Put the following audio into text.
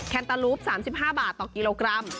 แนตาลูป๓๕บาทต่อกิโลกรัม